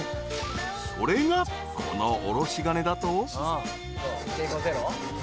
［それがこのおろし金だと］